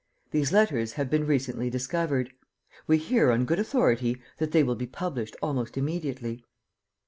"These letters have been recently discovered. We hear, on good authority, that they will be published almost immediately."